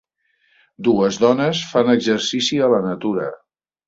Dues dones fan exercici a la natura.